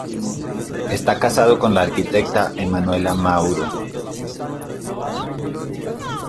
Está casado con la arquitecta Emanuela Mauro.